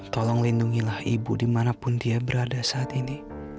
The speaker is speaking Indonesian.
tolong lindungilah ibu dimanapun dia berada saat ini